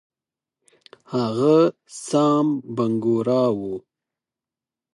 هغه سام بنګورا وو.